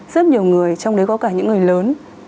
rất nhiều người trong đấy có cả những người lớn